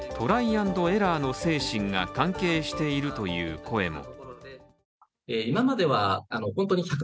・アンド・エラーの精神が関係しているという声も。